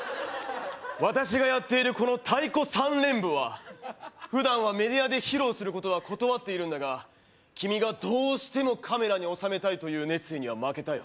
私がやっているこの太鼓３連符は普段はメディアで披露することは断っているんだが君がどうしてもカメラに収めたいという熱意には負けたよ